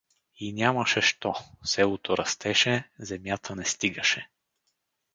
И нямаше що — селото растеше, земята не стигаше.